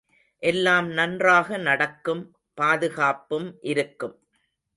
எல்லாம் நன்றாக நடக்கும் பாதுகாப்பும் இருக்கும்.